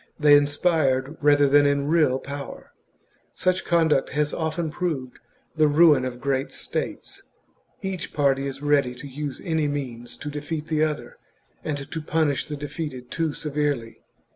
169 they inspired rather than in real power. Such conduct ^hap. has often proved the ruin of great states. Each party is ready to use any means to defeat the other, and to punish the defeated too severely.